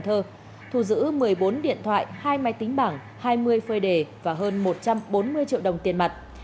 thu giữ một mươi bốn điện thoại hai máy tính bảng hai mươi phơi đề và hơn một trăm bốn mươi triệu đồng tiền mặt